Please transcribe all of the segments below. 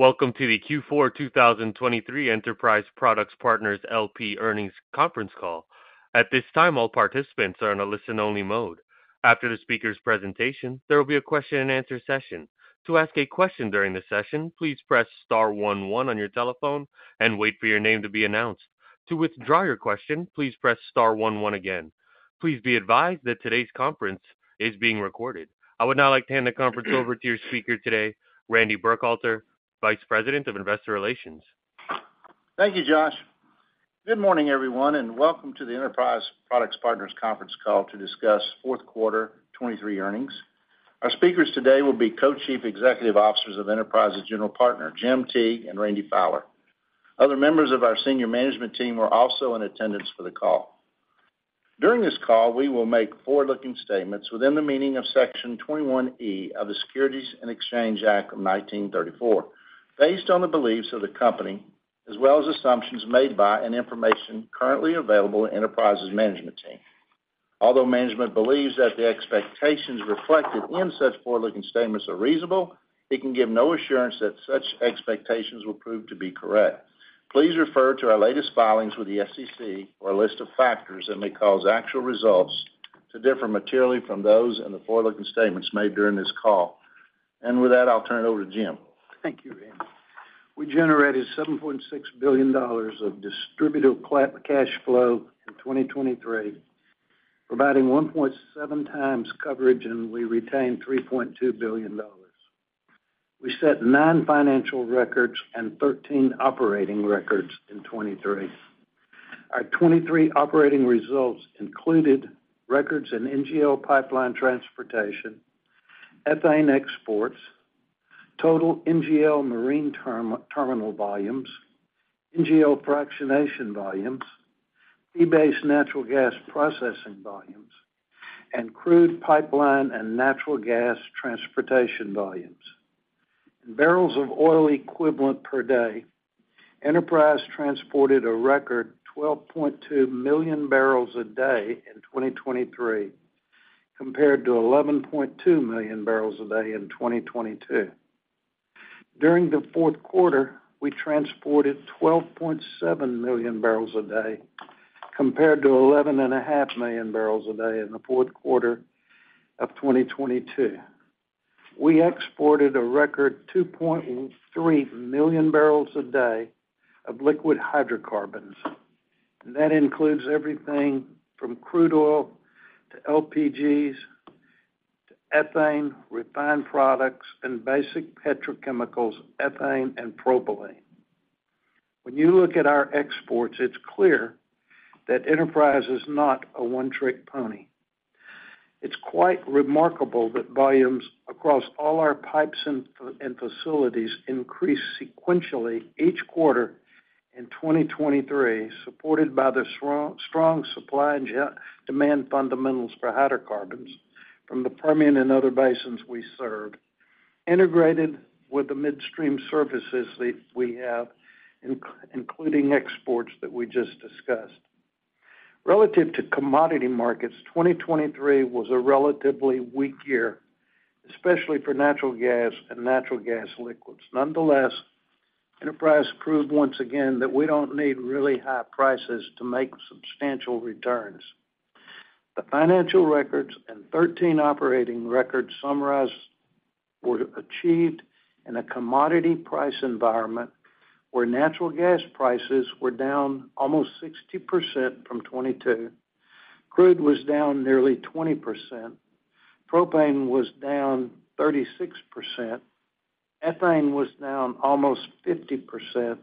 Welcome to the Q4 2023 Enterprise Products Partners L.P. Earnings Conference Call. At this time, all participants are in a listen-only mode. After the speaker's presentation, there will be a question-and-answer session. To ask a question during the session, please press star one one on your telephone and wait for your name to be announced. To withdraw your question, please press star one one again. Please be advised that today's conference is being recorded. I would now like to hand the conference over to your speaker today, Randy Burkhalter, Vice President of Investor Relations. Thank you, Josh. Good morning, everyone, and welcome to the Enterprise Products Partners conference call to discuss fourth quarter 2023 earnings. Our speakers today will be Co-Chief Executive Officers of Enterprise's General Partner, Jim Teague and Randy Fowler. Other members of our senior management team are also in attendance for the call. During this call, we will make forward-looking statements within the meaning of Section 21E of the Securities and Exchange Act of 1934, based on the beliefs of the company, as well as assumptions made by and information currently available to Enterprise's management team. Although management believes that the expectations reflected in such forward-looking statements are reasonable, it can give no assurance that such expectations will prove to be correct. Please refer to our latest filings with the SEC for a list of factors that may cause actual results to differ materially from those in the forward-looking statements made during this call. With that, I'll turn it over to Jim. Thank you, Randy. We generated $7.6 billion of distributable cash flow in 2023, providing 1.7x coverage, and we retained $3.2 billion. We set nine financial records and 13 operating records in 2023. Our 2023 operating results included records in NGL pipeline transportation, ethane exports, total NGL marine terminal volumes, NGL fractionation volumes, fee-based natural gas processing volumes, and crude pipeline and natural gas transportation volumes. In barrels of oil equivalent per day, Enterprise transported a record 12.2 million barrels a day in 2023, compared to 11.2 million barrels a day in 2022. During the fourth quarter, we transported 12.7 million barrels a day, compared to 11.5 million barrels a day in the fourth quarter of 2022. We exported a record 2.3 million barrels a day of liquid hydrocarbons, and that includes everything from crude oil to LPGs, to ethane, refined products, and basic petrochemicals, ethane and propylene. When you look at our exports, it's clear that Enterprise is not a one-trick pony. It's quite remarkable that volumes across all our pipes and facilities increased sequentially each quarter in 2023, supported by the strong supply and demand fundamentals for hydrocarbons from the Permian and other basins we serve, integrated with the midstream services that we have, including exports that we just discussed. Relative to commodity markets, 2023 was a relatively weak year, especially for natural gas and natural gas liquids. Nonetheless, Enterprise proved once again that we don't need really high prices to make substantial returns. The financial records and 13 operating records summarized were achieved in a commodity price environment where natural gas prices were down almost 60% from 2022, crude was down nearly 20%, propane was down 36%, ethane was down almost 50%,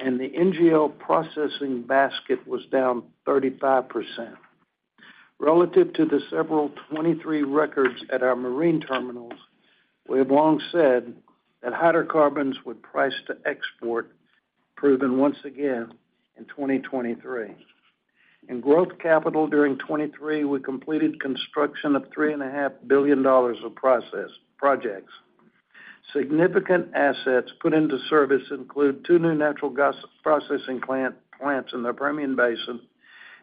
and the NGL processing basket was down 35%. Relative to the several 2023 records at our marine terminals, we have long said that hydrocarbons would price to export, proven once again in 2023. In growth capital during 2023, we completed construction of $3.5 billion of process- projects. Significant assets put into service include two new natural gas processing plant, plants in the Permian Basin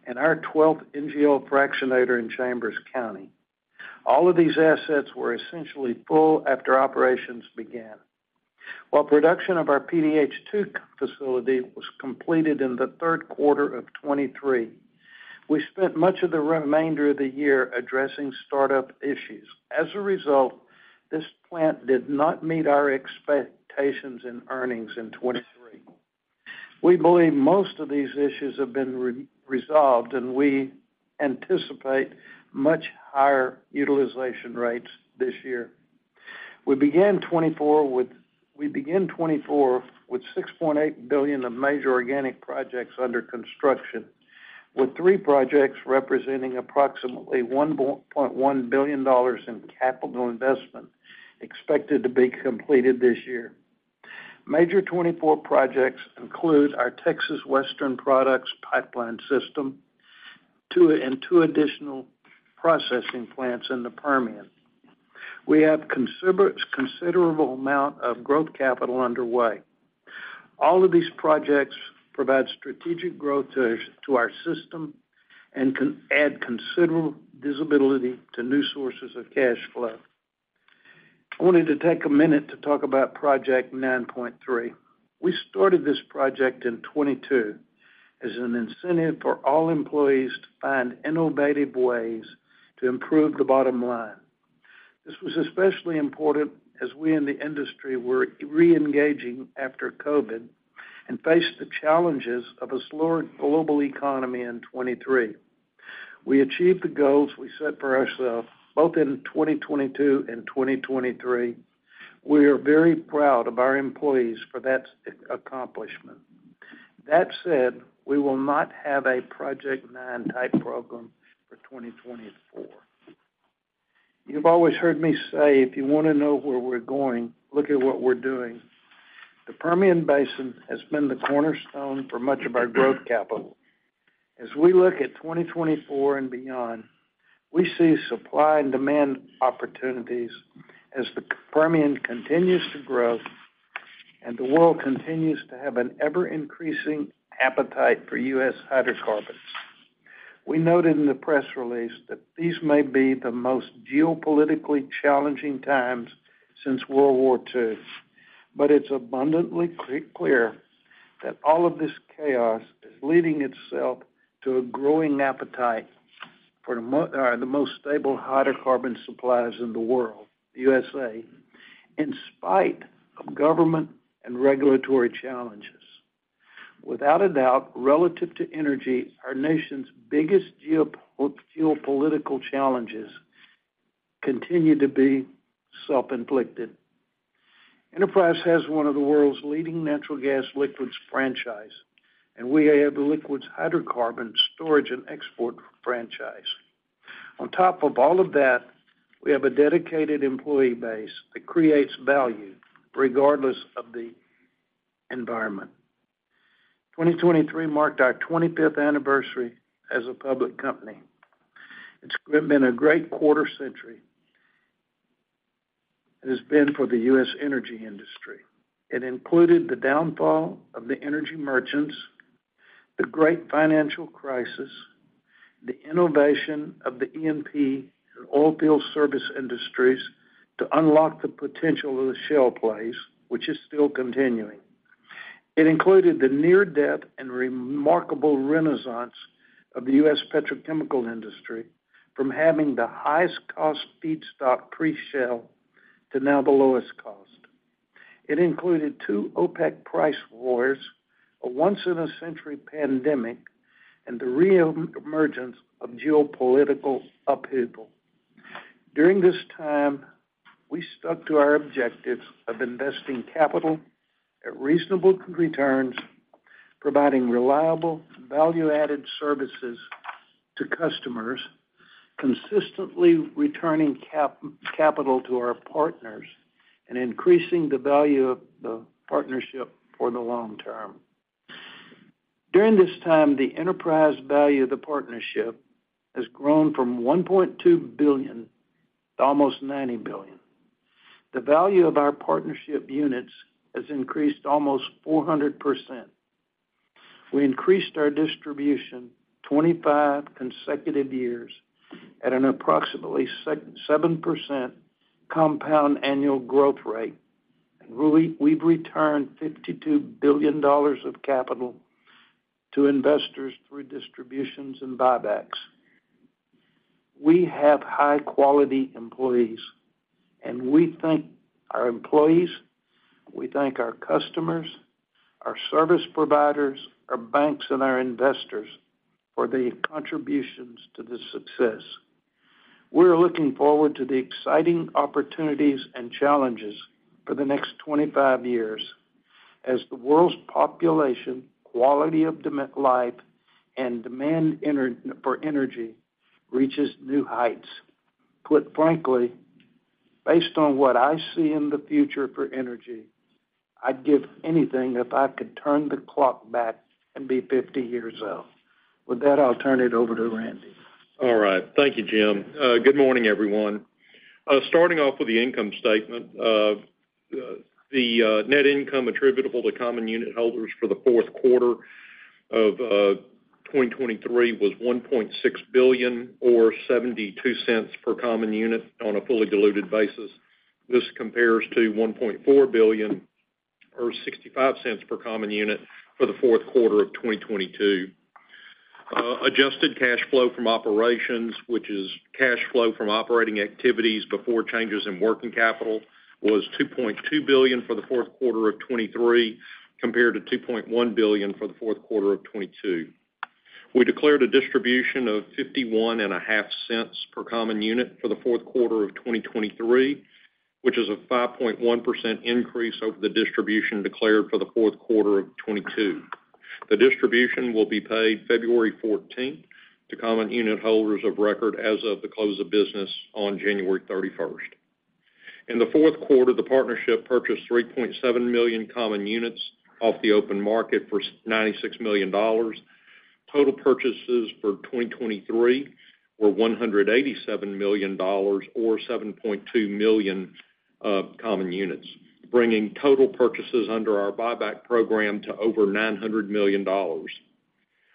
and our 12th NGL fractionator in Chambers County. All of these assets were essentially full after operations began. While production of our PDH 2 facility was completed in the third quarter of 2023, we spent much of the remainder of the year addressing startup issues. As a result, this plant did not meet our expectations in earnings in 2023. We believe most of these issues have been resolved, and we anticipate much higher utilization rates this year. We began 2024 with $6.8 billion of major organic projects under construction, with three projects representing approximately $1.1 billion in capital investment expected to be completed this year. Major 2024 projects include our Texas Western Products Pipeline system, two and two additional processing plants in the Permian. We have considerable amount of growth capital underway. All of these projects provide strategic growth to our system and can add considerable visibility to new sources of cash flow. I wanted to take a minute to talk about Project 9.3. We started this project in 2022 as an incentive for all employees to find innovative ways to improve the bottom line. This was especially important as we in the industry were reengaging after COVID, and faced the challenges of a slower global economy in 2023. We achieved the goals we set for ourselves both in 2022 and 2023. We are very proud of our employees for that accomplishment. That said, we will not have a Project 9-type program for 2024. You've always heard me say, "If you want to know where we're going, look at what we're doing." The Permian Basin has been the cornerstone for much of our growth capital. As we look at 2024 and beyond, we see supply and demand opportunities as the Permian continues to grow and the world continues to have an ever-increasing appetite for U.S. hydrocarbons. We noted in the press release that these may be the most geopolitically challenging times since World War II, but it's abundantly clear that all of this chaos is leading itself to a growing appetite for the most stable hydrocarbon suppliers in the world, the U.S.A., in spite of government and regulatory challenges. Without a doubt, relative to energy, our nation's biggest geopolitical challenges continue to be self-inflicted. Enterprise has one of the world's leading natural gas liquids franchise, and we have a liquids hydrocarbon storage and export franchise. On top of all of that, we have a dedicated employee base that creates value regardless of the environment. 2023 marked our 25th anniversary as a public company. It's been a great quarter century. It has been for the U.S. energy industry. It included the downfall of the energy merchants, the great financial crisis, the innovation of the E&P and oil field service industries to unlock the potential of the shale plays, which is still continuing. It included the near-death and remarkable renaissance of the U.S. petrochemical industry, from having the highest cost feedstock pre-shale to now the lowest cost. It included two OPEC price wars, a once-in-a-century pandemic, and the reemergence of geopolitical upheaval. During this time, we stuck to our objectives of investing capital at reasonable returns, providing reliable, value-added services to customers, consistently returning capital to our partners, and increasing the value of the partnership for the long term. During this time, the enterprise value of the partnership has grown from $1.2 billion to almost $90 billion. The value of our partnership units has increased almost 400%. We increased our distribution 25 consecutive years at an approximately 7% compound annual growth rate. We've returned $52 billion of capital to investors through distributions and buybacks. We have high-quality employees, and we thank our employees, we thank our customers, our service providers, our banks, and our investors for their contributions to this success. We're looking forward to the exciting opportunities and challenges for the next 25 years as the world's population, quality of life, and demand for energy reaches new heights. Put frankly, based on what I see in the future for energy, I'd give anything if I could turn the clock back and be 50 years old. With that, I'll turn it over to Randy. All right. Thank you, Jim. Good morning, everyone. Starting off with the income statement. The net income attributable to common unit holders for the fourth quarter of 2023 was $1.6 billion, or $0.72 per common unit on a fully diluted basis. This compares to $1.4 billion, or $0.65 per common unit for the fourth quarter of 2022. Adjusted cash flow from operations, which is cash flow from operating activities before changes in working capital, was $2.2 billion for the fourth quarter of 2023, compared to $2.1 billion for the fourth quarter of 2022. We declared a distribution of $0.515 per common unit for the fourth quarter of 2023, which is a 5.1% increase over the distribution declared for the fourth quarter of 2022. The distribution will be paid February 14th to common unit holders of record as of the close of business on January 31st. In the fourth quarter, the partnership purchased 3.7 million common units off the open market for $96 million. Total purchases for 2023 were $187 million or 7.2 million common units, bringing total purchases under our buyback program to over $900 million.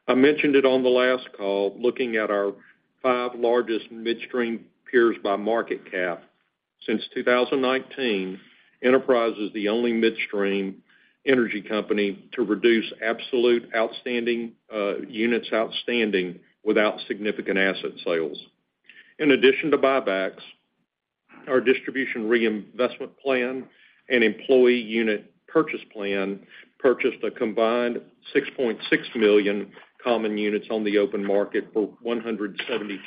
I mentioned it on the last call, looking at our five largest midstream peers by market cap. Since 2019, Enterprise is the only midstream energy company to reduce absolute outstanding units outstanding without significant asset sales. In addition to buybacks, our distribution reinvestment plan and employee unit purchase plan purchased a combined 6.6 million common units on the open market for $172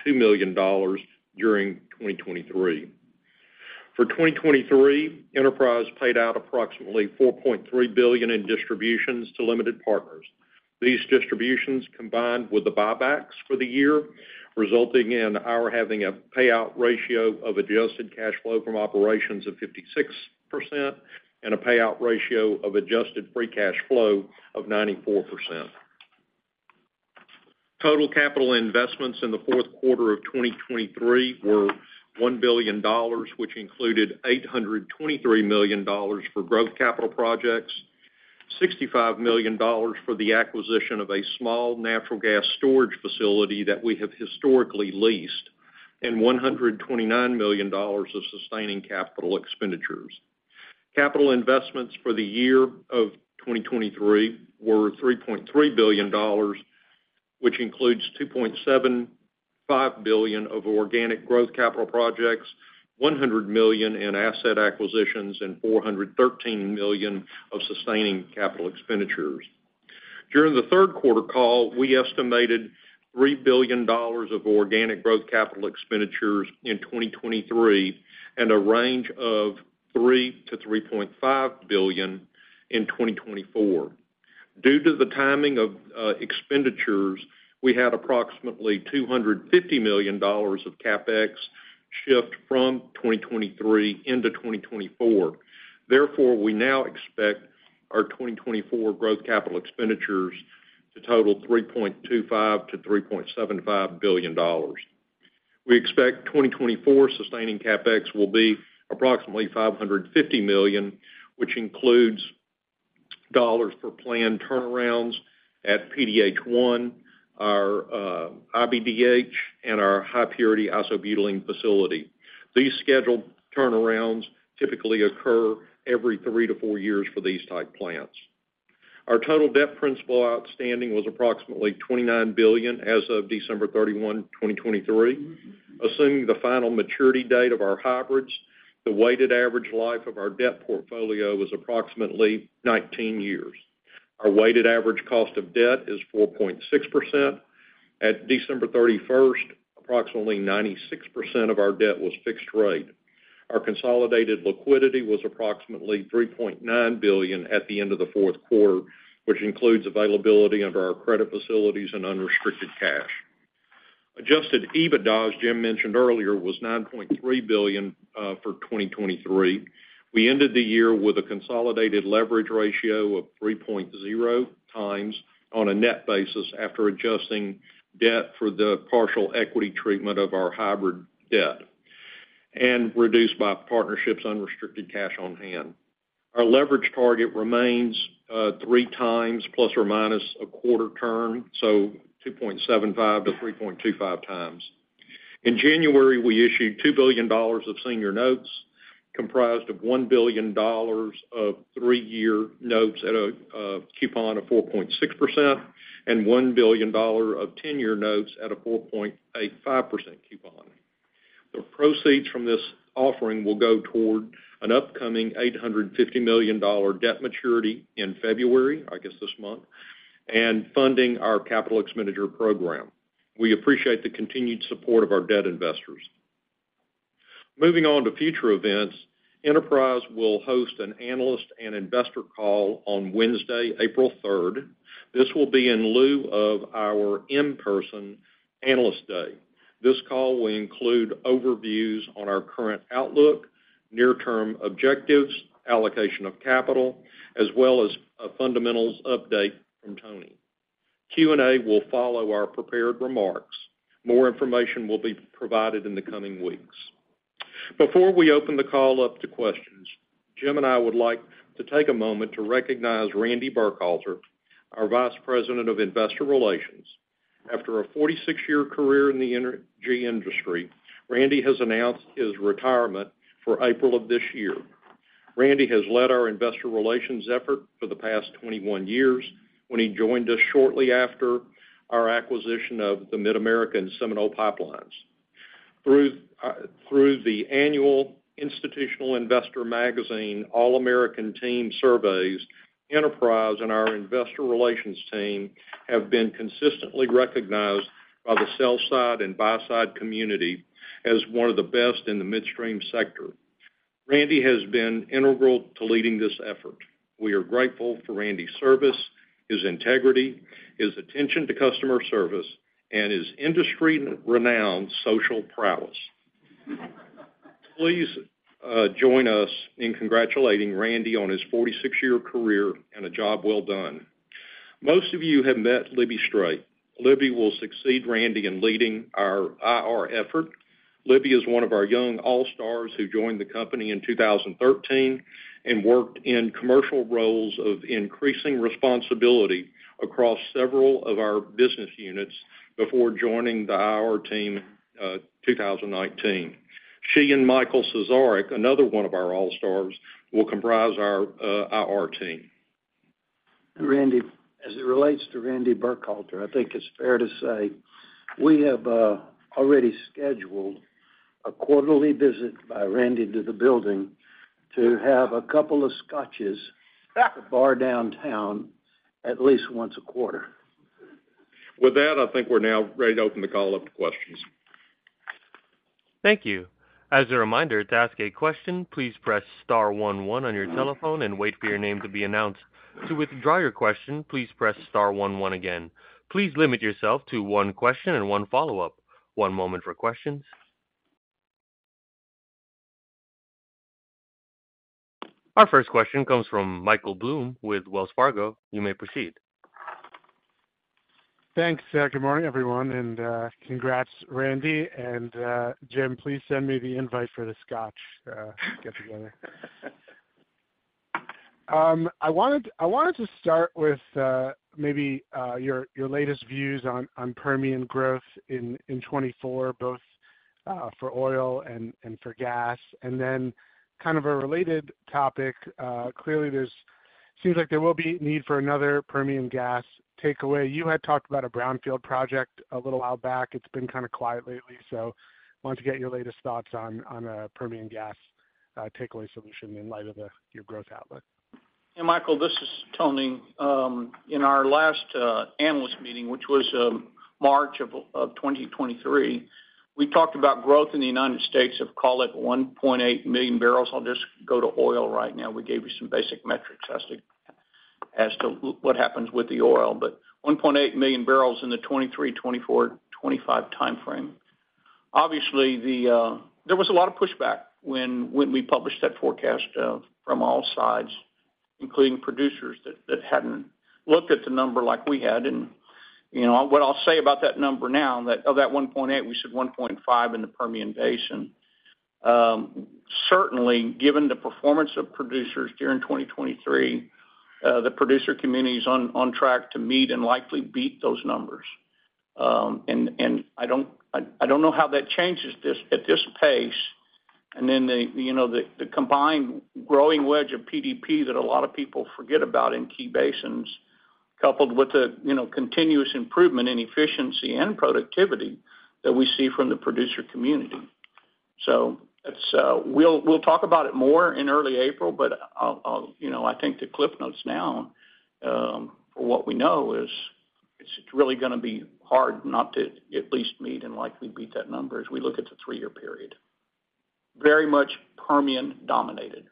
million during 2023. For 2023, Enterprise paid out approximately $4.3 billion in distributions to limited partners. These distributions, combined with the buybacks for the year, resulting in our having a payout ratio of adjusted cash flow from operations of 56% and a payout ratio of adjusted free cash flow of 94%. Total capital investments in the fourth quarter of 2023 were $1 billion, which included $823 million for growth capital projects, $65 million for the acquisition of a small natural gas storage facility that we have historically leased, and $129 million of sustaining capital expenditures. Capital investments for the year of 2023 were $3.3 billion, which includes $2.75 billion of organic growth capital projects, $100 million in asset acquisitions, and $413 million of sustaining capital expenditures. During the third quarter call, we estimated $3 billion of organic growth capital expenditures in 2023 and a range of $3-$3.5 billion in 2024. Due to the timing of expenditures, we had approximately $250 million of CapEx shift from 2023 into 2024. Therefore, we now expect our 2024 growth capital expenditures to total $3.25-$3.75 billion. We expect 2024 sustaining CapEx will be approximately $550 million, which includes dollars for planned turnarounds at PDH 1, our iBDH, and our High Purity Isobutylene facility. These scheduled turnarounds typically occur every three to four years for these type plants. Our total debt principal outstanding was approximately $29 billion as of December 31, 2023. Assuming the final maturity date of our hybrids, the weighted average life of our debt portfolio was approximately 19 years. Our weighted average cost of debt is 4.6%. At December 31, approximately 96% of our debt was fixed rate. Our consolidated liquidity was approximately $3.9 billion at the end of the fourth quarter, which includes availability of our credit facilities and unrestricted cash. Adjusted EBITDA, as Jim mentioned earlier, was $9.3 billion for 2023. We ended the year with a consolidated leverage ratio of 3.0x on a net basis, after adjusting debt for the partial equity treatment of our hybrid debt and reduced by partnership's unrestricted cash on hand. Our leverage target remains 3x ±0.25, so 2.75-3.25x. In January, we issued $2 billion of senior notes, comprised of $1 billion of three-year notes at a coupon of 4.6% and $1 billion of 10-year notes at a 4.85% coupon. The proceeds from this offering will go toward an upcoming $850 million debt maturity in February, I guess, this month, and funding our capital expenditure program. We appreciate the continued support of our debt investors. Moving on to future events, Enterprise will host an analyst and investor call on Wednesday, April 3rd. This will be in lieu of our in-person Analyst Day. This call will include overviews on our current outlook, near-term objectives, allocation of capital, as well as a fundamentals update from Tony. Q&A will follow our prepared remarks. More information will be provided in the coming weeks. Before we open the call up to questions, Jim and I would like to take a moment to recognize Randy Burkhalter, our Vice President of Investor Relations. After a 46-year career in the energy industry, Randy has announced his retirement for April of this year. Randy has led our investor relations effort for the past 21 years, when he joined us shortly after our acquisition of the Mid-America and Seminole Pipelines. Through the annual Institutional Investor Magazine All-American Team surveys, Enterprise and our investor relations team have been consistently recognized by the sell-side and buy-side community as one of the best in the midstream sector. Randy has been integral to leading this effort. We are grateful for Randy's service, his integrity, his attention to customer service, and his industry-renowned social prowess. Please join us in congratulating Randy on his 46-year career and a job well done. Most of you have met Libby Strait. Libby will succeed Randy in leading our IR effort. Libby is one of our young all-stars who joined the company in 2013 and worked in commercial roles of increasing responsibility across several of our business units before joining the IR team in 2019. She and Michael Cesarick, another one of our all-stars, will comprise our IR team. Randy, as it relates to Randy Burkhalter, I think it's fair to say we have already scheduled a quarterly visit by Randy to the building to have a couple of scotches at the bar downtown at least once a quarter. With that, I think we're now ready to open the call up to questions. Thank you. As a reminder, to ask a question, please press star one one on your telephone and wait for your name to be announced. To withdraw your question, please press star one one again. Please limit yourself to one question and one follow-up. One moment for questions. Our first question comes from Michael Blum with Wells Fargo. You may proceed. Thanks, good morning, everyone, and congrats, Randy, and Jim, please send me the invite for the scotch get together. I wanted to start with maybe your latest views on Permian growth in 2024, both for oil and for gas. Then kind of a related topic, clearly, seems like there will be need for another Permian gas takeaway. You had talked about a brownfield project a little while back. It's been kind of quiet lately, so wanted to get your latest thoughts on a Permian gas takeaway solution in light of your growth outlook. Yeah, Michael, this is Tony. In our last analyst meeting, which was March of 2023, we talked about growth in the United States of, call it, 1.8 million barrels. I'll just go to oil right now. We gave you some basic metrics as to what happens with the oil, but 1.8 million barrels in the 2023-2025 timeframe. Obviously, there was a lot of pushback when we published that forecast from all sides, including producers that hadn't looked at the number like we had. And, you know, what I'll say about that number now, that of that 1.8, we said 1.5 in the Permian Basin. Certainly, given the performance of producers during 2023, the producer community is on track to meet and likely beat those numbers. And I don't know how that changes this at this pace. And then you know, the combined growing wedge of PDP that a lot of people forget about in key basins, coupled with you know, continuous improvement in efficiency and productivity that we see from the producer community. So that's, we'll talk about it more in early April, but I'll... You know, I think the cliff notes now for what we know is it's really gonna be hard not to at least meet and likely beat that number as we look at the three-year period. Very much Permian-dominated.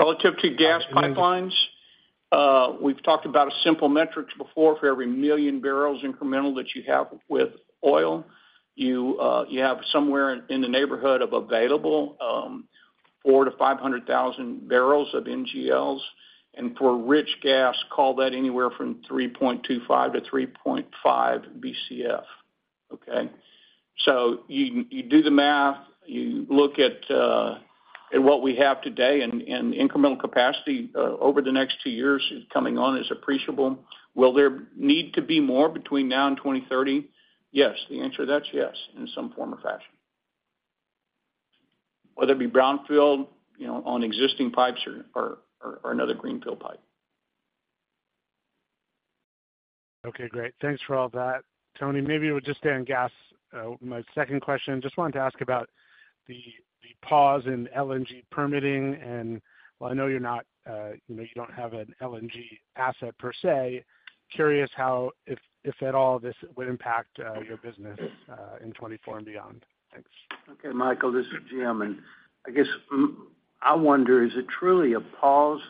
Relative to gas pipelines, we've talked about a simple metrics before. For every million barrels incremental that you have with oil, you, you have somewhere in, in the neighborhood of available, four to 500,000 barrels of NGLs. And for rich gas, call that anywhere from 3.25 to 3.5 BCF, okay? So you, you do the math, you look at, at what we have today, and, and incremental capacity, over the next two years is coming on, is appreciable. Will there need to be more between now and 2030? Yes. The answer to that is yes, in some form or fashion. Whether it be brownfield, you know, on existing pipes or, or, or another greenfield pipe. Okay, great. Thanks for all that, Tony. Maybe we'll just stay on gas. My second question, just wanted to ask about the pause in LNG permitting. And while I know you're not, you know, you don't have an LNG asset per se, curious how, if at all, this would impact your business in 2024 and beyond. Thanks. Okay, Michael, this is Jim, and I guess I wonder, is it truly a pause,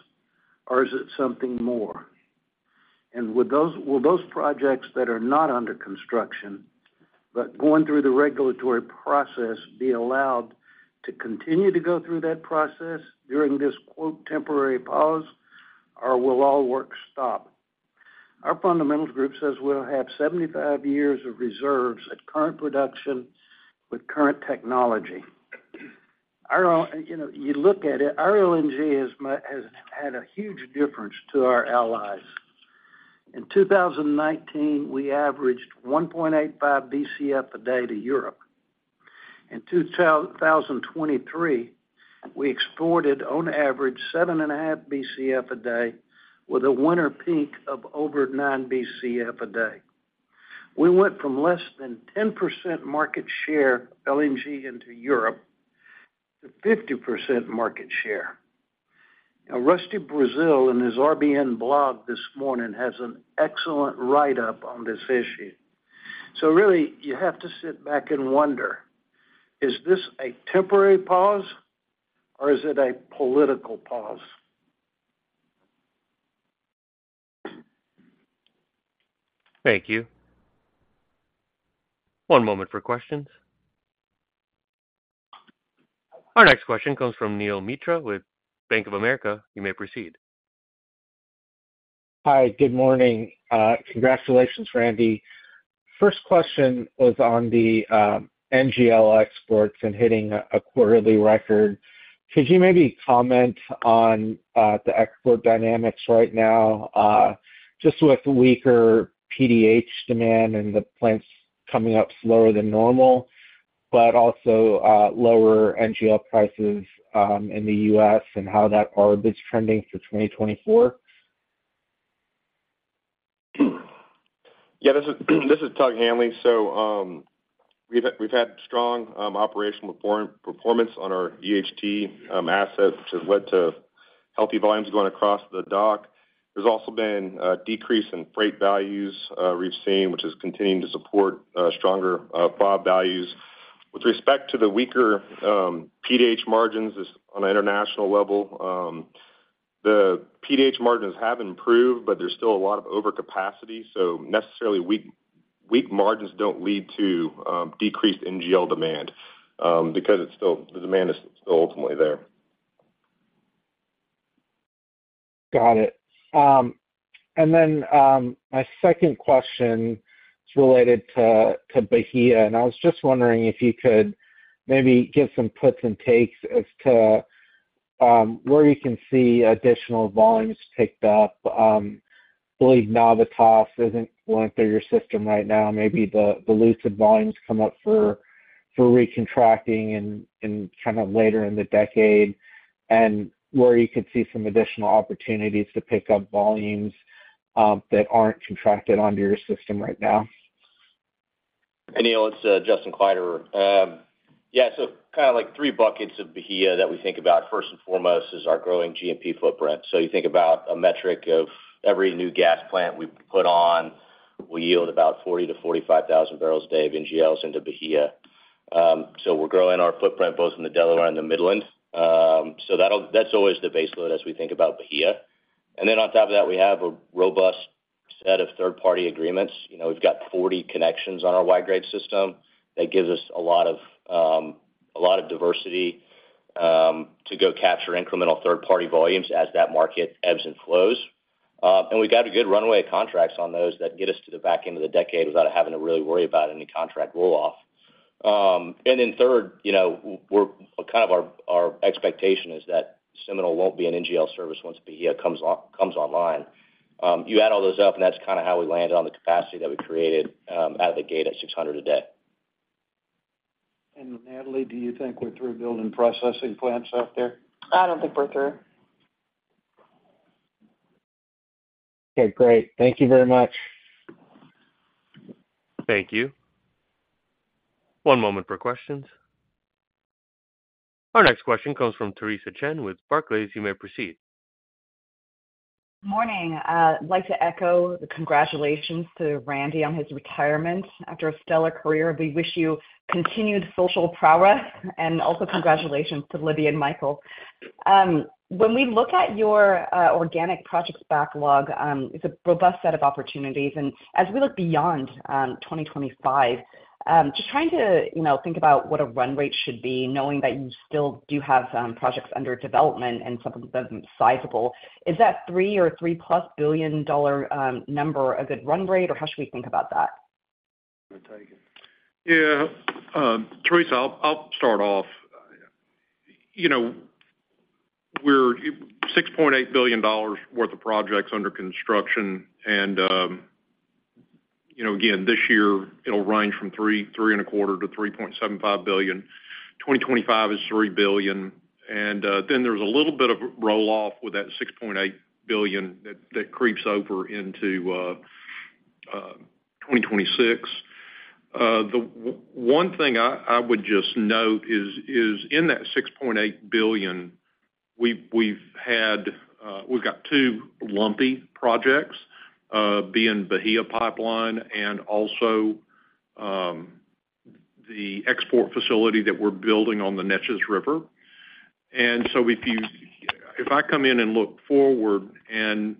or is it something more? And would those projects that are not under construction, but going through the regulatory process, be allowed to continue to go through that process during this, quote, temporary pause, or will all work stop? Our fundamentals group says we'll have 75 years of reserves at current production with current technology. Our. You know, you look at it, our LNG has had a huge difference to our allies. In 2019, we averaged 1.85 BCF a day to Europe. In 2023, we exported on average 7.5 BCF a day, with a winter peak of over 9 BCF a day. We went from less than 10% market share, LNG into Europe, to 50% market share. Now, Rusty Braziel, in his RBN blog this morning, has an excellent write-up on this issue. So really, you have to sit back and wonder, is this a temporary pause, or is it a political pause? Thank you. One moment for questions. Our next question comes from Neel Mitra with Bank of America. You may proceed. Hi, good morning. Congratulations, Randy. First question was on the NGL exports and hitting a quarterly record. Could you maybe comment on the export dynamics right now, just with weaker PDH demand and the plants coming up slower than normal, but also lower NGL prices in the U.S. and how that arb is trending for 2024? Yeah, this is Tug Hanley. So, we've had strong operational performance on our EHT assets, which has led to healthy volumes going across the dock. There's also been a decrease in freight values we've seen, which is continuing to support stronger values. With respect to the weaker PDH margins on an international level, the PDH margins have improved, but there's still a lot of overcapacity. So necessarily, weak margins don't lead to decreased NGL demand, because it's still, the demand is still ultimately there. Got it. And then, my second question is related to Bahia, and I was just wondering if you could maybe give some puts and takes as to where you can see additional volumes picked up. I believe Navitas isn't going through your system right now. Maybe the Lucid volumes come up for recontracting and kind of later in the decade, and where you could see some additional opportunities to pick up volumes that aren't contracted onto your system right now. Hey, Neel, it's Justin Kleiderer. Yeah, so kind of like three buckets of Bahia that we think about. First and foremost is our growing G&P footprint. So you think about a metric of every new gas plant we put on, we yield about 40,000-45,000 barrels a day of NGLs into Bahia. So we're growing our footprint both in the Delaware and the Midland. So that'll, that's always the base load as we think about Bahia. And then on top of that, we have a robust set of third-party agreements. You know, we've got 40 connections on our wide grade system. That gives us a lot of a lot of diversity to go capture incremental third-party volumes as that market ebbs and flows. And we've got a good runway of contracts on those that get us to the back end of the decade without having to really worry about any contract roll-off. And then third, you know, we're kind of our expectation is that Seminole won't be an NGL service once Bahia comes online. You add all those up, and that's kind of how we landed on the capacity that we created, out of the gate at 600 a day. Natalie, do you think we're through building processing plants out there? I don't think we're through. Okay, great. Thank you very much. Thank you. One moment for questions. Our next question comes from Theresa Chen with Barclays. You may proceed. Morning. I'd like to echo the congratulations to Randy on his retirement. After a stellar career, we wish you continued social progress, and also congratulations to Libby and Michael. When we look at your organic projects backlog, it's a robust set of opportunities. As we look beyond 2025, just trying to, you know, think about what a run rate should be, knowing that you still do have projects under development and some of them sizable. Is that $3 billion or $3+ billion number a good run rate, or how should we think about that? Yeah, Teresa, I'll start off. You know, we're $6.8 billion worth of projects under construction, and, you know, again, this year, it'll range from $3-$3.25 billion to $3.75 billion. 2025 is $3 billion, and, then there's a little bit of roll-off with that $6.8 billion that creeps over into 2026. One thing I would just note is in that $6.8 billion, we've got two lumpy projects, being Bahia Pipeline and also the export facility that we're building on the Neches River. And so if I come in and look forward, and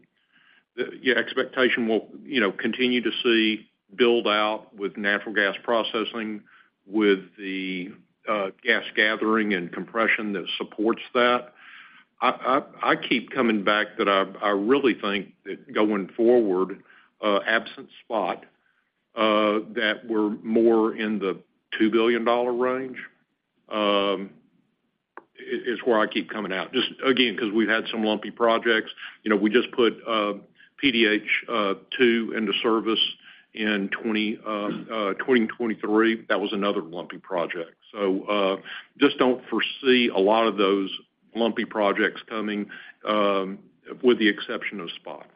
the expectation will, you know, continue to see build out with natural gas processing, with the gas gathering and compression that supports that. I keep coming back that I really think that going forward, absent SPOT, that we're more in the $2 billion range, is where I keep coming out. Just again, because we've had some lumpy projects. You know, we just put PDH 2 into service in 2023. That was another lumpy project. So, just don't foresee a lot of those lumpy projects coming, with the exception of SPOT.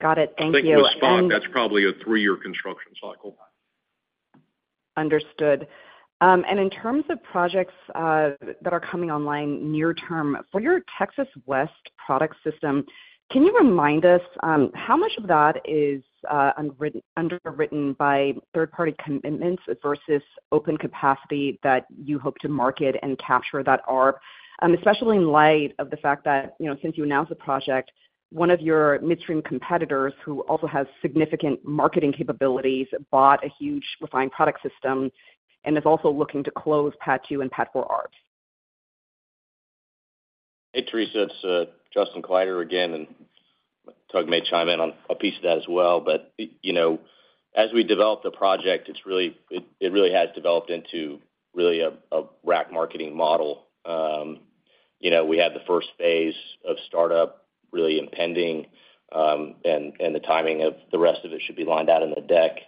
Got it. Thank you. I think with SPOT, that's probably a 3-year construction cycle. Understood.... And in terms of projects that are coming online near term, for your Texas Western Products system, can you remind us how much of that is underwritten by third-party commitments versus open capacity that you hope to market and capture that arb? Especially in light of the fact that, you know, since you announced the project, one of your midstream competitors, who also has significant marketing capabilities, bought a huge refined product system and is also looking to close PADD 2 and PADD 4 arbs. Hey, Theresa, it's Justin Kleiderer again, and Tug may chime in on a piece of that as well. But you know, as we develop the project, it's really, it really has developed into really a rack marketing model. You know, we had the first phase of startup really impending, and the timing of the rest of it should be lined out in the deck.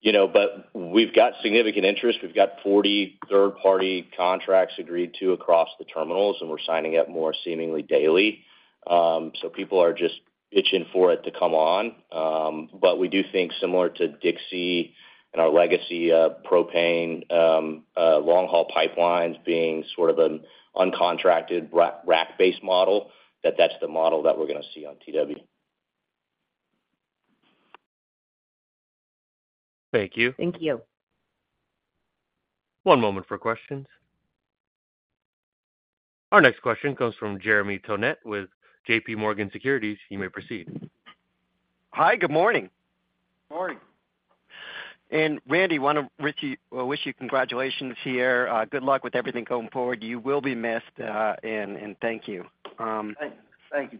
You know, but we've got significant interest. We've got 40 third-party contracts agreed to across the terminals, and we're signing up more seemingly daily. So people are just itching for it to come on. But we do think similar to Dixie and our legacy propane long-haul pipelines being sort of an uncontracted rack-based model, that that's the model that we're going to see on TW. Thank you. Thank you. One moment for questions. Our next question comes from Jeremy Tonet with JP Morgan Securities. You may proceed. Hi, good morning. Morning. And Randy, wish you congratulations here. Good luck with everything going forward. You will be missed, and thank you. Thank you,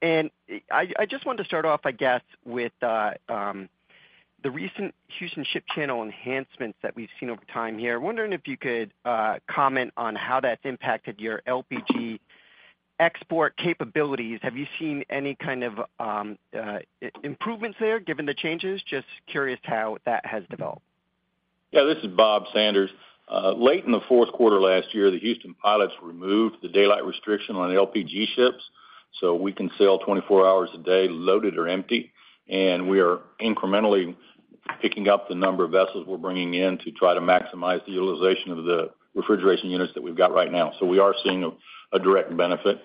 Jeremy. I just wanted to start off, I guess, with the recent Houston Ship Channel enhancements that we've seen over time here. Wondering if you could comment on how that's impacted your LPG export capabilities. Have you seen any kind of improvements there, given the changes? Just curious how that has developed. Yeah, this is Bob Sanders. Late in the fourth quarter last year, the Houston Pilots removed the daylight restriction on LPG ships, so we can sail 24 hours a day, loaded or empty. And we are incrementally picking up the number of vessels we're bringing in to try to maximize the utilization of the refrigeration units that we've got right now. So we are seeing a direct benefit.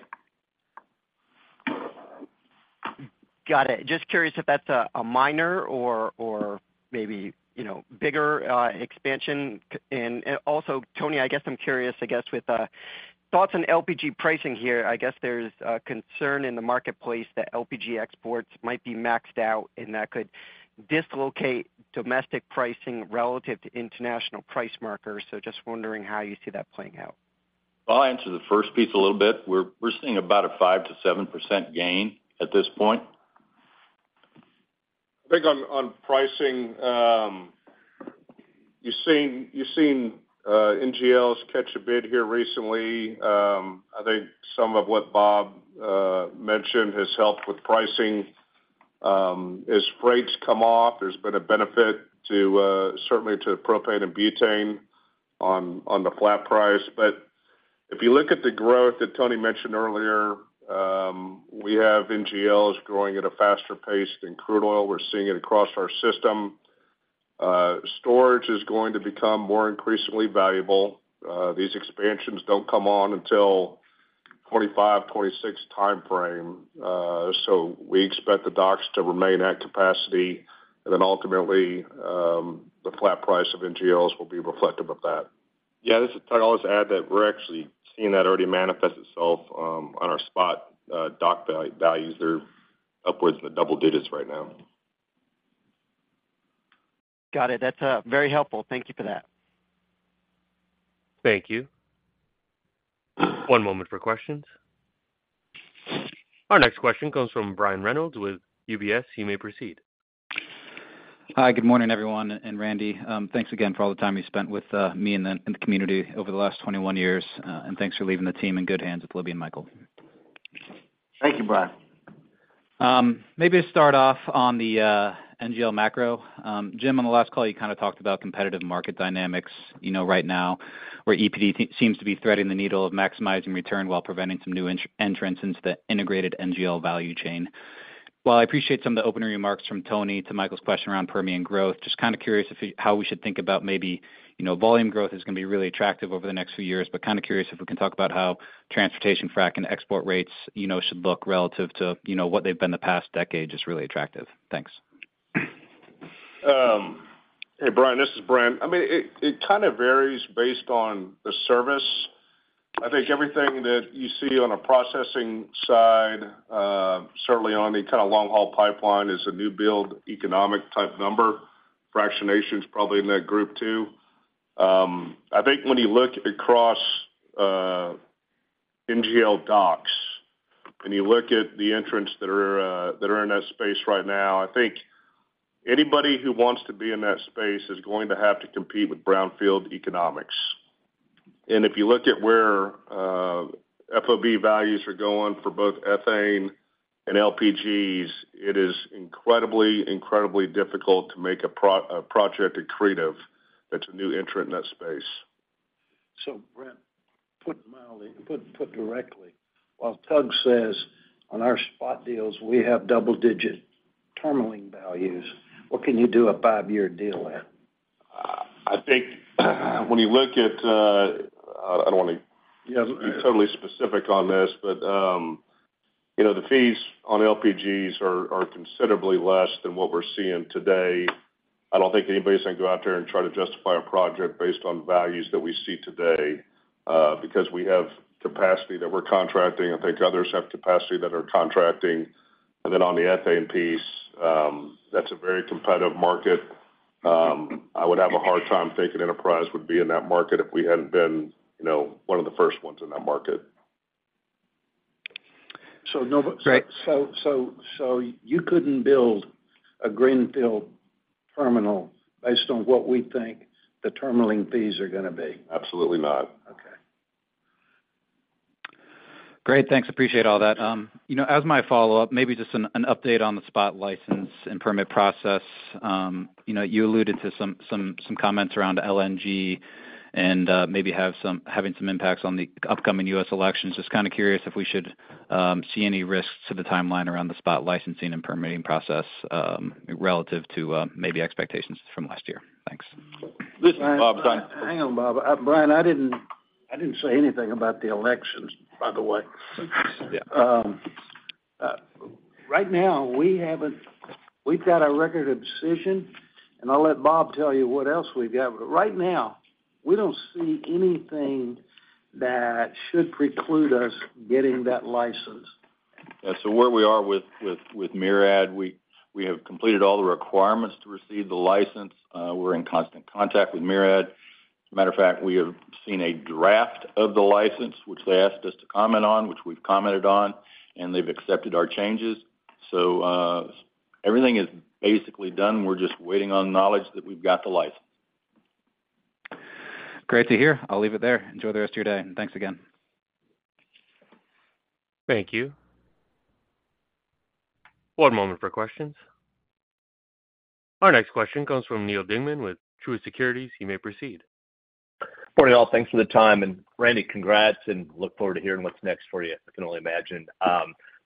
Got it. Just curious if that's a minor or maybe, you know, bigger expansion. And also, Tony, I guess I'm curious, I guess, with thoughts on LPG pricing here. I guess there's a concern in the marketplace that LPG exports might be maxed out, and that could dislocate domestic pricing relative to international price markers. So just wondering how you see that playing out. I'll answer the first piece a little bit. We're seeing about a 5%-7% gain at this point. I think on pricing, you've seen NGLs catch a bid here recently. I think some of what Bob mentioned has helped with pricing. As rates come off, there's been a benefit to certainly to propane and butane on the flat price. But if you look at the growth that Tony mentioned earlier, we have NGLs growing at a faster pace than crude oil. We're seeing it across our system. Storage is going to become more increasingly valuable. These expansions don't come on until 2025, 2026 timeframe. So we expect the docks to remain at capacity, and then ultimately, the flat price of NGLs will be reflective of that. Yeah, this is Tug. I'll just add that we're actually seeing that already manifest itself on our SPOT ethane values. They're upwards in the double digits right now. Got it. That's very helpful. Thank you for that. Thank you. One moment for questions. Our next question comes from Brian Reynolds with UBS. You may proceed. Hi, good morning, everyone. And Randy, thanks again for all the time you spent with me and the community over the last 21 years, and thanks for leaving the team in good hands with Libby and Michael. Thank you, Brian. Maybe to start off on the NGL macro. Jim, on the last call, you kind of talked about competitive market dynamics, you know, right now, where EPD seems to be threading the needle of maximizing return while preventing some new entrance into the integrated NGL value chain. While I appreciate some of the opening remarks from Tony to Michael's question around Permian growth, just kind of curious if you how we should think about maybe, you know, volume growth is going to be really attractive over the next few years, but kind of curious if we can talk about how transportation, frack, and export rates, you know, should look relative to, you know, what they've been the past decade is really attractive. Thanks. Hey, Brian, this is Brent. I mean, it kind of varies based on the service. I think everything that you see on a processing side, certainly on the kind of long-haul pipeline, is a new build, economic-type number. Fractionation is probably in that group, too. I think when you look across NGL docks, and you look at the entrants that are that are in that space right now, I think anybody who wants to be in that space is going to have to compete with brownfield economics. And if you look at where FOB values are going for both ethane and LPGs, it is incredibly, incredibly difficult to make a project accretive that's a new entrant in that space.... So Brent, put mildly - put directly, while Tug says on our SPOT deals, we have double-digit terminaling values, what can you do a five-year deal at? I think when you look at, I don't want to- Yeah. Be totally specific on this, but, you know, the fees on LPGs are considerably less than what we're seeing today. I don't think anybody's going to go out there and try to justify a project based on values that we see today, because we have capacity that we're contracting. I think others have capacity that are contracting. And then on the ethane piece, that's a very competitive market. I would have a hard time thinking Enterprise would be in that market if we hadn't been, you know, one of the first ones in that market. So no- Right. So, you couldn't build a greenfield terminal based on what we think the terminaling fees are going to be? Absolutely not. Okay. Great, thanks. Appreciate all that. You know, as my follow-up, maybe just an update on the SPOT license and permit process. You know, you alluded to some comments around LNG and maybe having some impacts on the upcoming U.S. elections. Just kind of curious if we should see any risks to the timeline around the SPOT licensing and permitting process, relative to maybe expectations from last year. Thanks. Listen, Bob- Hang on, Bob. Brian, I didn't, I didn't say anything about the elections, by the way. Yeah. Right now, we've got a record of decision, and I'll let Bob tell you what else we've got. But right now, we don't see anything that should preclude us getting that license. Yeah. So where we are with MARAD, we have completed all the requirements to receive the license. We're in constant contact with MARAD. As a matter of fact, we have seen a draft of the license, which they asked us to comment on, which we've commented on, and they've accepted our changes. So, everything is basically done. We're just waiting on knowledge that we've got the license. Great to hear. I'll leave it there. Enjoy the rest of your day, and thanks again. Thank you. One moment for questions. Our next question comes from Neal Dingmann with Truist Securities. You may proceed. Morning, all. Thanks for the time, and Randy, congrats, and look forward to hearing what's next for you. I can only imagine.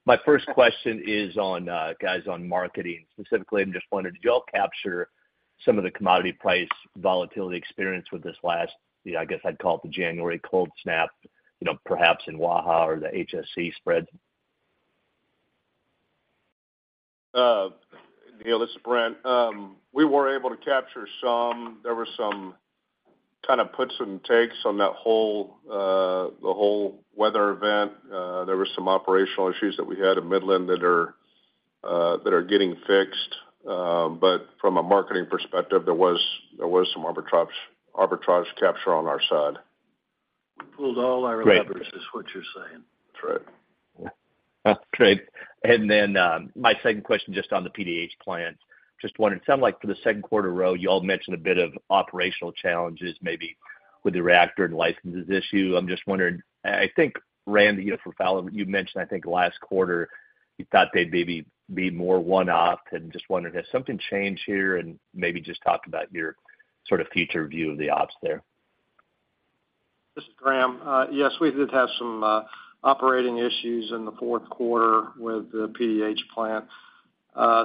My first question is on, guys, on marketing. Specifically, I'm just wondering, did you all capture some of the commodity price volatility experience with this last, I guess, I'd call it the January cold snap, you know, perhaps in Waha or the HSC spreads? Neil, this is Brent. We were able to capture some. There were some kind of puts and takes on that whole weather event. There were some operational issues that we had in Midland that are getting fixed. But from a marketing perspective, there was some arbitrage capture on our side. We pulled all our levers, is what you're saying? That's right. Great. And then, my second question, just on the PDH plant. Just wondering, sounds like for the second quarter, though, you all mentioned a bit of operational challenges, maybe with the reactor and licensing issue. I'm just wondering, I think, Randy Fowler, you mentioned, I think, last quarter, you thought they'd maybe be more one-off and just wondering, has something changed here? And maybe just talk about your sort of future view of the ops there. This is Graham. Yes, we did have some operating issues in the fourth quarter with the PDH plant.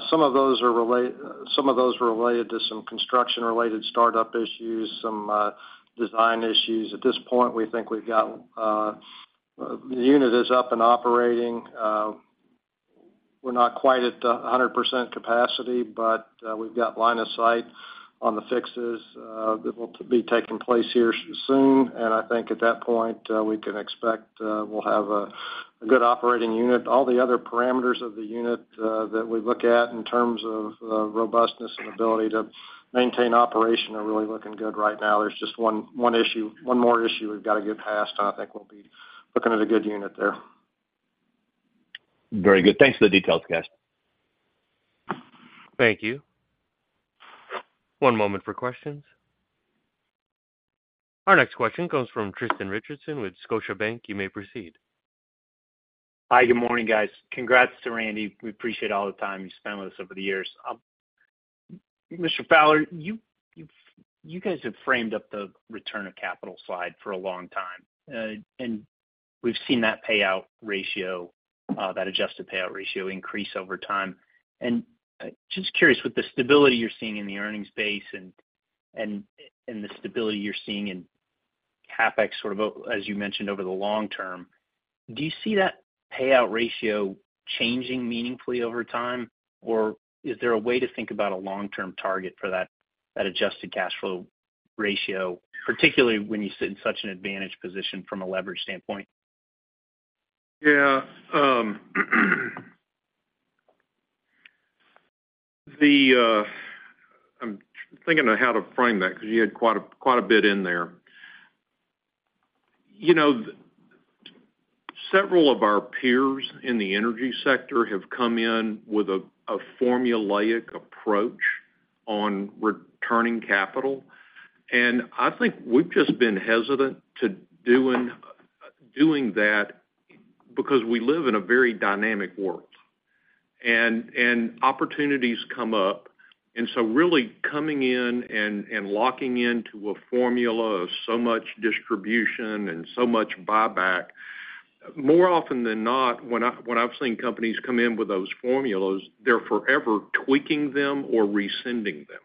Some of those were related to some construction-related startup issues, some design issues. At this point, we think we've got the unit up and operating. We're not quite at 100% capacity, but we've got line of sight on the fixes that will be taking place here soon. And I think at that point, we can expect we'll have a good operating unit. All the other parameters of the unit that we look at in terms of robustness and ability to maintain operation are really looking good right now. There's just one issue, one more issue we've got to get past, and I think we'll be looking at a good unit there. Very good. Thanks for the details, guys. Thank you. One moment for questions. Our next question comes from Tristan Richardson with Scotiabank. You may proceed. Hi, good morning, guys. Congrats to Randy. We appreciate all the time you spent with us over the years. Mr. Fowler, you guys have framed up the return of capital slide for a long time, and we've seen that payout ratio, that adjusted payout ratio increase over time. Just curious, with the stability you're seeing in the earnings base and the stability you're seeing in CapEx, sort of, as you mentioned, over the long term, do you see that payout ratio changing meaningfully over time? Or is there a way to think about a long-term target for that adjusted cash flow ratio, particularly when you sit in such an advantaged position from a leverage standpoint? Yeah, I'm thinking of how to frame that because you had quite a bit in there. You know, several of our peers in the energy sector have come in with a formulaic approach on returning capital, and I think we've just been hesitant to doing that because we live in a very dynamic world. ...and opportunities come up. And so really coming in and locking into a formula of so much distribution and so much buyback, more often than not, when I've seen companies come in with those formulas, they're forever tweaking them or rescinding them,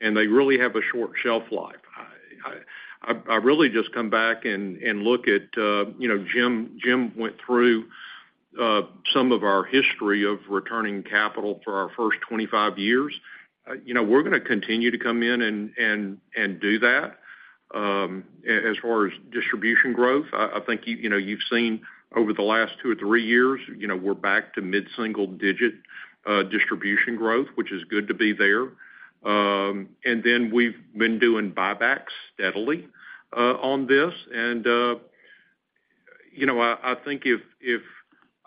and they really have a short shelf life. I really just come back and look at, you know, Jim. Jim went through some of our history of returning capital for our first 25 years. You know, we're going to continue to come in and do that. As far as distribution growth, I think, you know, you've seen over the last two or three years, you know, we're back to mid-single digit distribution growth, which is good to be there. And then we've been doing buybacks steadily on this. And, you know, I think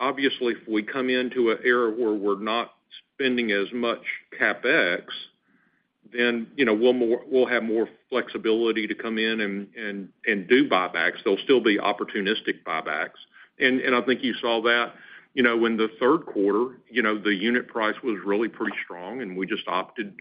if—obviously, if we come into an era where we're not spending as much CapEx, then, you know, we'll have more flexibility to come in and do buybacks. They'll still be opportunistic buybacks. And I think you saw that, you know, in the third quarter, you know, the unit price was really pretty strong, and we just opted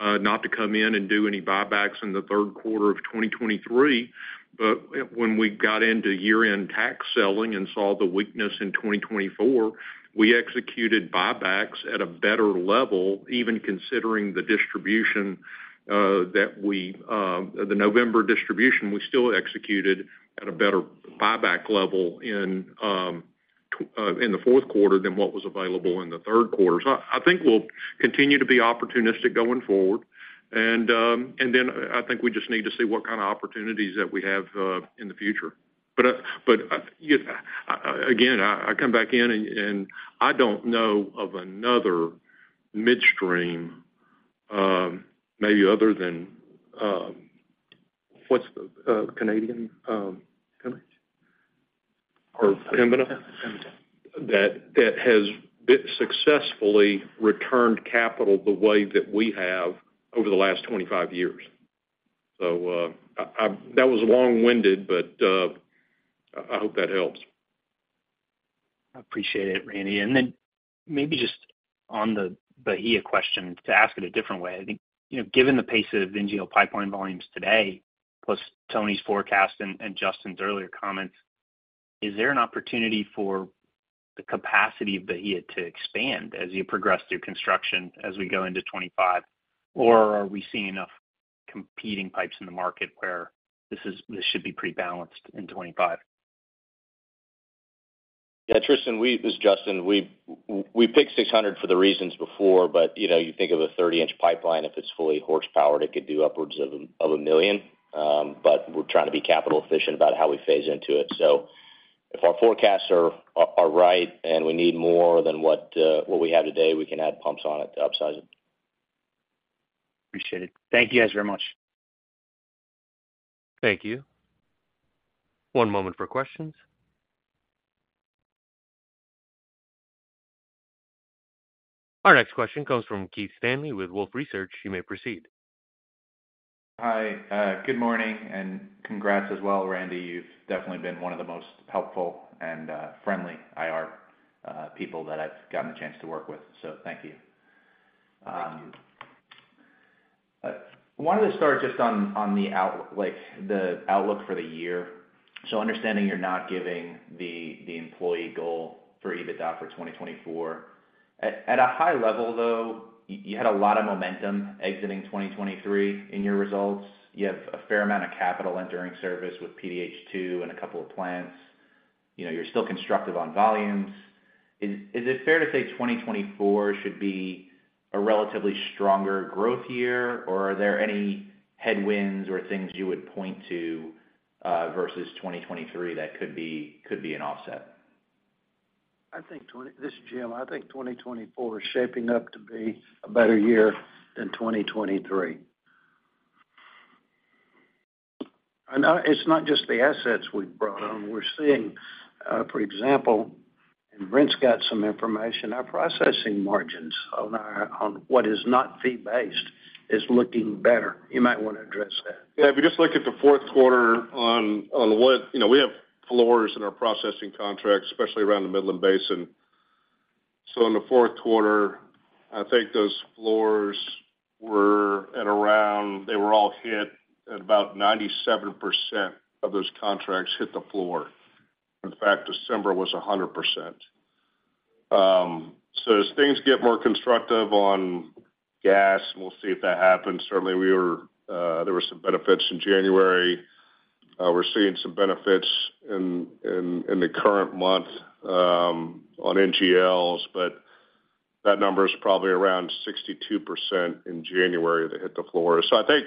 not to come in and do any buybacks in the third quarter of 2023. But when we got into year-end tax selling and saw the weakness in 2024, we executed buybacks at a better level, even considering the distribution that we, the November distribution, we still executed at a better buyback level in the fourth quarter than what was available in the third quarter. So I think we'll continue to be opportunistic going forward. And then I think we just need to see what kind of opportunities that we have in the future. But again, I come back in, and I don't know of another midstream, maybe other than what's the Canadian company? Or Pembina? Pembina. That, that has successfully returned capital the way that we have over the last 25 years. So, I, that was long-winded, but, I hope that helps. I appreciate it, Randy. And then maybe just on the Bahia question, to ask it a different way, I think, you know, given the pace of NGL pipeline volumes today, plus Tony's forecast and, and Justin's earlier comments, is there an opportunity for the capacity of Bahia to expand as you progress through construction as we go into 25? Or are we seeing enough competing pipes in the market where this should be pretty balanced in 25? Yeah, Tristan, this is Justin. We picked 600 for the reasons before, but, you know, you think of a 30-inch pipeline, if it's fully horsepowered, it could do upwards of 1 million. But we're trying to be capital efficient about how we phase into it. So if our forecasts are right and we need more than what we have today, we can add pumps on it to upsize it. Appreciate it. Thank you guys very much. Thank you. One moment for questions. Our next question comes from Keith Stanley with Wolfe Research. You may proceed. Hi, good morning, and congrats as well, Randy. You've definitely been one of the most helpful and, friendly IR, people that I've gotten the chance to work with, so thank you. Thank you. I wanted to start just on the outlook for the year. So, understanding you're not giving the EBITDA goal for 2024, at a high level, though, you had a lot of momentum exiting 2023 in your results. You have a fair amount of capital entering service with PDH2 and a couple of plants. You know, you're still constructive on volumes. Is it fair to say 2024 should be a relatively stronger growth year, or are there any headwinds or things you would point to versus 2023 that could be an offset? I think this is Jim. I think 2024 is shaping up to be a better year than 2023. It's not just the assets we've brought on. We're seeing, for example, and Brent's got some information, our processing margins on our, on what is not fee-based, is looking better. You might want to address that. Yeah, if you just look at the fourth quarter on what you know, we have floors in our processing contracts, especially around the Midland Basin. So in the fourth quarter, I think those floors were at around they were all hit, at about 97% of those contracts hit the floor. In fact, December was 100%. So as things get more constructive on gas, we'll see if that happens. Certainly, there were some benefits in January. We're seeing some benefits in the current month on NGLs, but that number is probably around 62% in January that hit the floor. So I think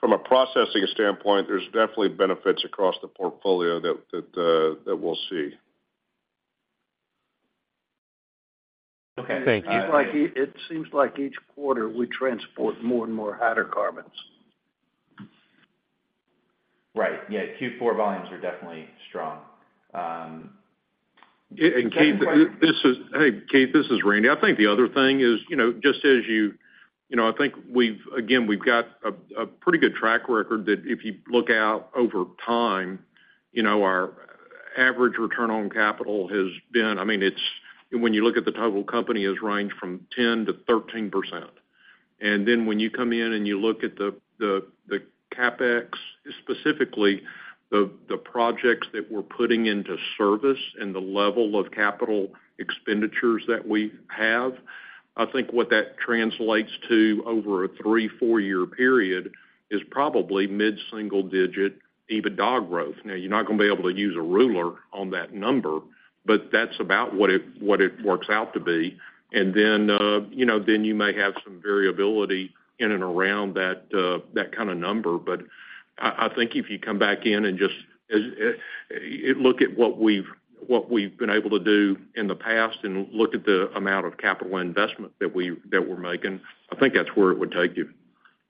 from a processing standpoint, there's definitely benefits across the portfolio that we'll see. Okay, thank you. It seems like each quarter we transport more and more hydrocarbons. Right. Yeah, Q4 volumes are definitely strong, Keith, this is—hey, Keith, this is Randy. I think the other thing is, you know, just as you—you know, I think we've, again, we've got a, a pretty good track record that if you look out over time-... you know, our average return on capital has been, I mean, it's, when you look at the total company, has ranged from 10%-13%. And then when you come in and you look at the CapEx, specifically, the projects that we're putting into service and the level of capital expenditures that we have, I think what that translates to over a three to four-year period is probably mid-single digit EBITDA growth. Now, you're not going to be able to use a ruler on that number, but that's about what it works out to be. And then, you know, then you may have some variability in and around that kind of number. But I think if you come back in and just look at what we've been able to do in the past and look at the amount of capital investment that we're making, I think that's where it would take you.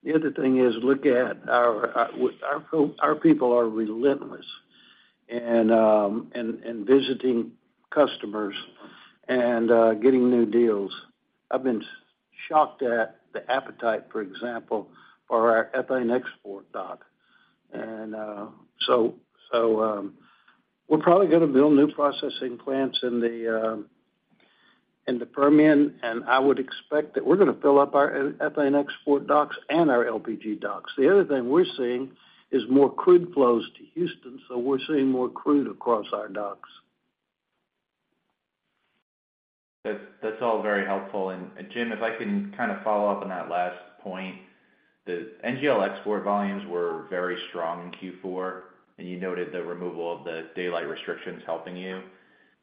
The other thing is, look at our people are relentless in visiting customers and getting new deals. I've been shocked at the appetite, for example, for our ethane export dock. And we're probably going to build new processing plants in the Permian, and I would expect that we're going to fill up our ethane export docks and our LPG docks. The other thing we're seeing is more crude flows to Houston, so we're seeing more crude across our docks. That's, that's all very helpful. And Jim, if I can kind of follow up on that last point, the NGL export volumes were very strong in Q4, and you noted the removal of the daylight restrictions helping you.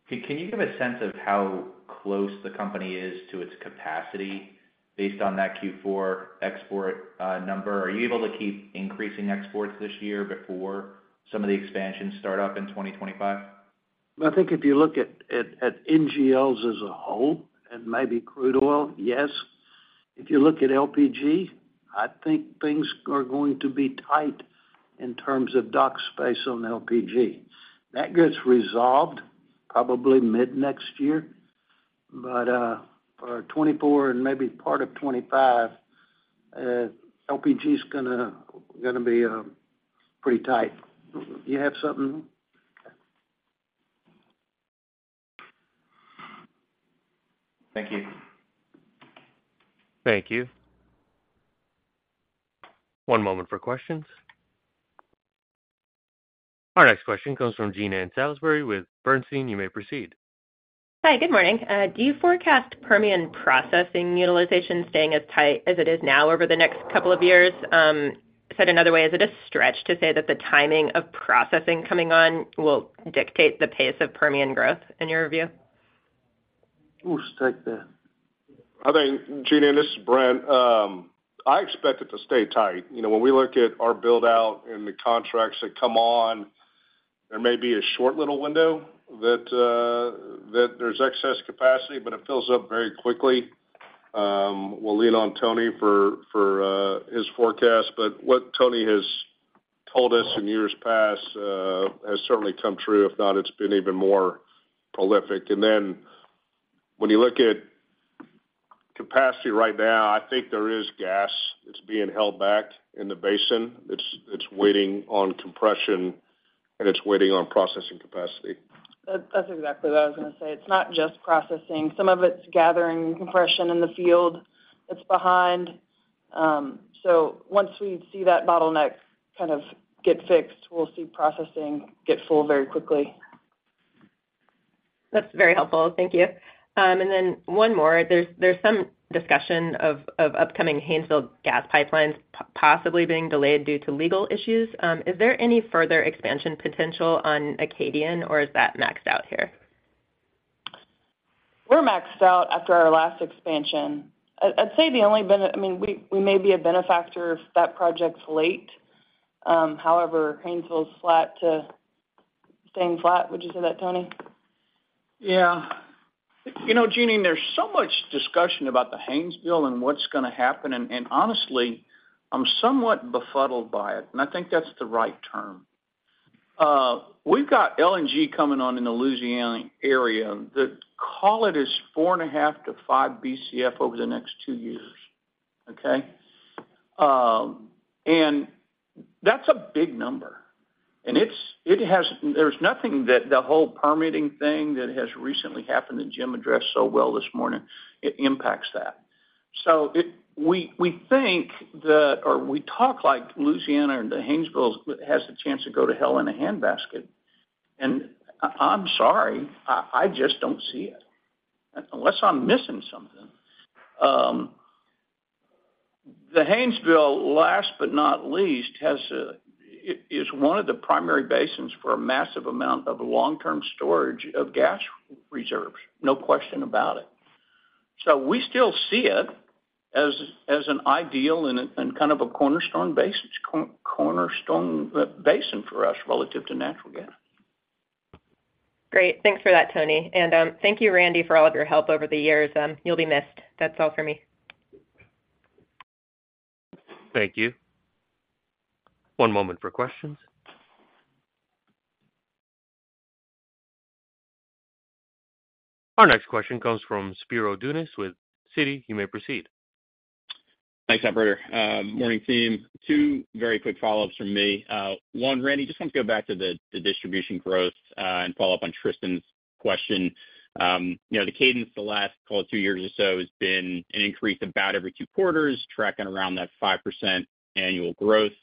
Can you give a sense of how close the company is to its capacity based on that Q4 export number? Are you able to keep increasing exports this year before some of the expansions start up in 2025? I think if you look at NGLs as a whole and maybe crude oil, yes. If you look at LPG, I think things are going to be tight in terms of dock space on LPG. That gets resolved probably mid-next year, but for 2024 and maybe part of 2025, LPG is gonna be pretty tight. Do you have something? Thank you. Thank you. One moment for questions. Our next question comes from Jean Ann Salisbury with Bernstein. You may proceed. Hi, good morning. Do you forecast Permian processing utilization staying as tight as it is now over the next couple of years? Said another way, is it a stretch to say that the timing of processing coming on will dictate the pace of Permian growth in your view? Who should take that? I think, Jean, this is Brent. I expect it to stay tight. You know, when we look at our build-out and the contracts that come on, there may be a short little window that there's excess capacity, but it fills up very quickly. We'll lean on Tony for his forecast, but what Tony has told us in years past has certainly come true. If not, it's been even more prolific. And then, when you look at capacity right now, I think there is gas that's being held back in the basin. It's waiting on compression, and it's waiting on processing capacity. That's exactly what I was going to say. It's not just processing. Some of it's gathering compression in the field that's behind. So once we see that bottleneck kind of get fixed, we'll see processing get full very quickly. That's very helpful. Thank you. And then one more. There's some discussion of upcoming Haynesville gas pipelines possibly being delayed due to legal issues. Is there any further expansion potential on Acadian, or is that maxed out here? We're maxed out after our last expansion. I'd say the only I mean, we may be a benefactor if that project's late. However, Haynesville's flat to staying flat. Would you say that, Tony? Yeah. You know, Jean, there's so much discussion about the Haynesville and what's going to happen, and honestly, I'm somewhat befuddled by it, and I think that's the right term. We've got LNG coming on in the Louisiana area. They call it 4.5-5 BCF over the next two years, okay? And that's a big number. And it's. It has. There's nothing that the whole permitting thing that has recently happened, and Jim addressed so well this morning, it impacts that. So it. We think that, or we talk like Louisiana and the Haynesville has the chance to go to hell in a handbasket. And I'm sorry, I just don't see it, unless I'm missing something. The Haynesville, last but not least, is one of the primary basins for a massive amount of long-term storage of gas reserves, no question about it. So we still see it as an ideal and kind of a cornerstone basin for us relative to natural gas. Great. Thanks for that, Tony. Thank you, Randy, for all of your help over the years. You'll be missed. That's all for me. Thank you. One moment for questions. Our next question comes from Spiro Dounis with Citi. You may proceed. Thanks, operator. Morning, team. Two very quick follow-ups from me. One, Randy, just want to go back to the distribution growth, and follow up on Tristan's question. You know, the cadence the last, call it two years or so, has been an increase about every two quarters, tracking around that 5% annual growth.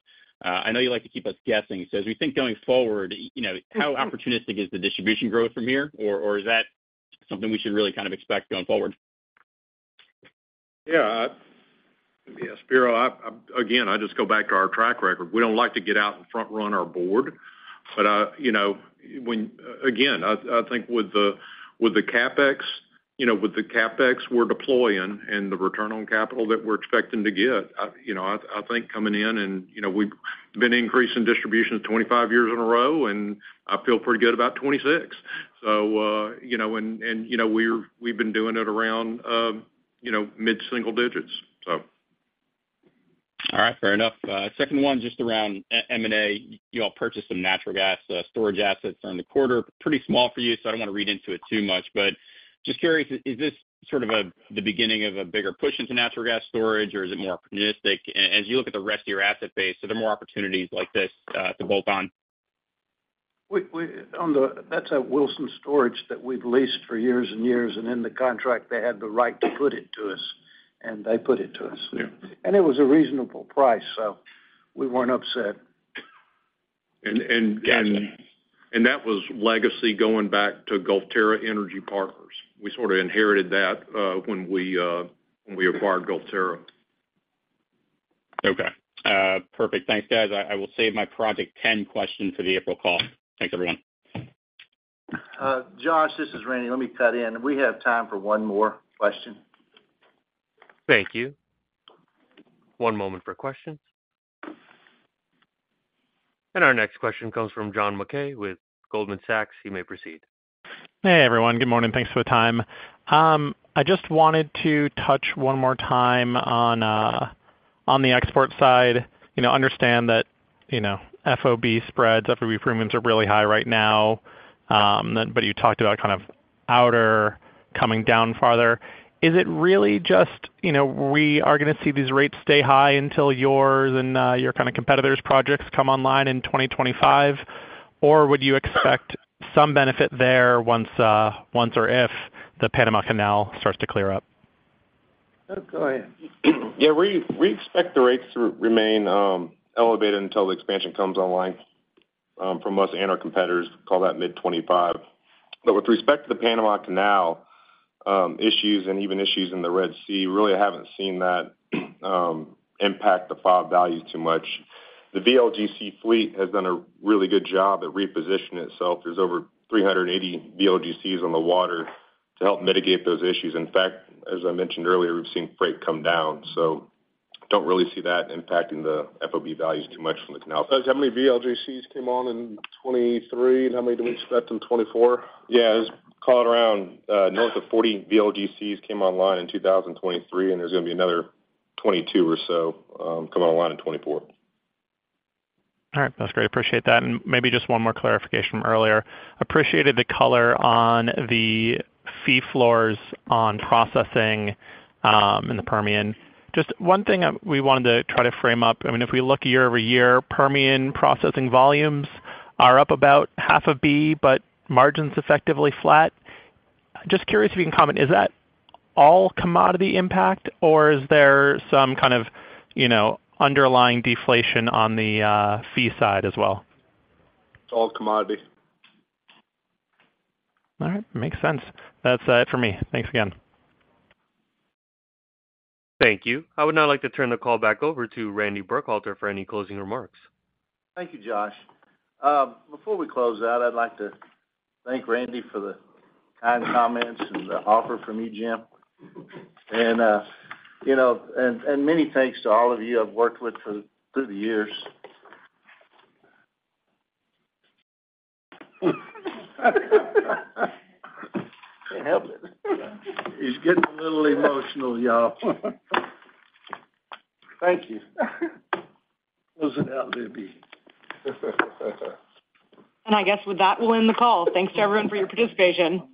I know you like to keep us guessing. So as we think going forward, you know, how opportunistic is the distribution growth from here, or is that something we should really kind of expect going forward? Yeah, yeah, Spiro, again, I just go back to our track record. We don't like to get out and front-run our board, but you know, again, I think with the CapEx we're deploying and the return on capital that we're expecting to get, you know, I think coming in and, you know, we've been increasing distributions 25 years in a row, and I feel pretty good about 26. So, you know, we've been doing it around mid-single digits, so. All right. Fair enough. Second one, just around M&A. You all purchased some natural gas, storage assets during the quarter. Pretty small for you, so I don't want to read into it too much. But just curious, is this sort of a, the beginning of a bigger push into natural gas storage, or is it more opportunistic? As you look at the rest of your asset base, are there more opportunities like this, to bolt on? That's a Wilson storage that we've leased for years and years, and in the contract, they had the right to put it to us, and they put it to us. Yeah. It was a reasonable price, so we weren't upset. That was legacy going back to GulfTerra Energy Partners. We sort of inherited that when we acquired GulfTerra. Okay. Perfect. Thanks, guys. I will save my Project 10 question for the April call. Thanks, everyone. Josh, this is Randy. Let me cut in. We have time for one more question. Thank you. One moment for questions. And our next question comes from John Mackay with Goldman Sachs. You may proceed. Hey, everyone. Good morning. Thanks for the time. I just wanted to touch one more time on the export side. You know, understand that, you know, FOB spreads, FOB premiums are really high right now, but you talked about kind of outer coming down farther. Is it really just, you know, we are going to see these rates stay high until yours and, your kind of competitors' projects come online in 2025? Or would you expect some benefit there once, once or if the Panama Canal starts to clear up? Go ahead. Yeah, we expect the rates to remain elevated until the expansion comes online from us and our competitors, call that mid-2025. But with respect to the Panama Canal issues and even issues in the Red Sea really haven't seen that impact the FOB value too much. The VLGC fleet has done a really good job at repositioning itself. There's over 380 VLGCs on the water to help mitigate those issues. In fact, as I mentioned earlier, we've seen freight come down, so don't really see that impacting the FOB values too much from the canal. How many VLGCs came on in 2023, and how many do we expect in 2024? Yeah, it was call it around north of 40 VLGCs came online in 2023, and there's going to be another 22 or so come online in 2024. All right. That's great. Appreciate that. And maybe just one more clarification from earlier. Appreciated the color on the fee floors on processing, in the Permian. Just one thing we wanted to try to frame up. I mean, if we look year-over-year, Permian processing volumes are up about half a B, but margins effectively flat. Just curious if you can comment, is that all commodity impact, or is there some kind of, you know, underlying deflation on the, fee side as well? All commodity. All right. Makes sense. That's it for me. Thanks again. Thank you. I would now like to turn the call back over to Randy Burkhalter for any closing remarks. Thank you, Josh. Before we close out, I'd like to thank Randy for the kind comments and the offer from Jim. And, you know, many thanks to all of you I've worked with through the years. Can't help it. He's getting a little emotional, y'all. Thank you. Closing out Libby. I guess with that, we'll end the call. Thanks to everyone for your participation.